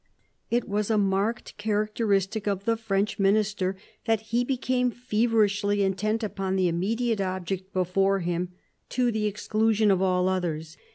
It was a marked characteristic of the French minister that he became feverishly intent upon the immediate object before him to the exclusion of all others.